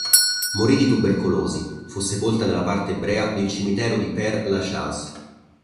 Morì di tubercolosi; fu sepolta nella parte ebrea del Cimitero di Père Lachaise.